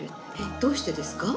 どうしてですか？